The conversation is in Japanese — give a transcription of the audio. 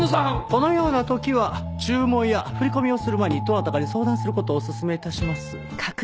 このような時は注文や振り込みをする前にどなたかに相談する事をお勧め致します。